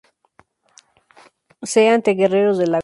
C., ante Guerreros del Lago.